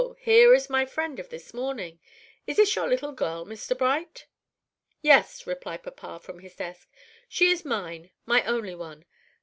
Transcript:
here is my friend of this morning. Is this your little girl, Mr. Bright?" "Yes," replied papa, from his desk; "she is mine my only one.